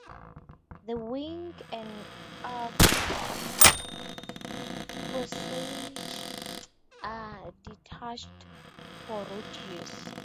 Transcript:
The wing and aft fuselage are detached for road use.